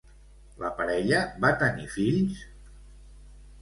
La parella va tenir fills?